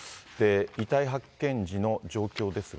遺体発見時の状況ですが。